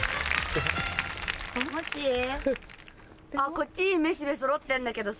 こっちめしべそろってんだけどさ